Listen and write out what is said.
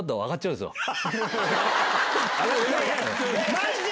マジで？